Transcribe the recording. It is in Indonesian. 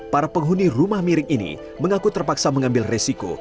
para penghuni rumah miring ini mengaku terpaksa mengambil resiko